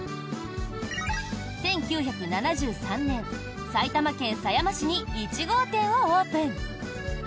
１９７３年、埼玉県狭山市に１号店をオープン！